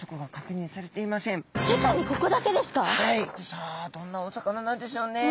さあどんなお魚なんでしょうね。